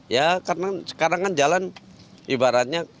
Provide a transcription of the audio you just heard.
ya karena sekarang kan jalan ibaratnya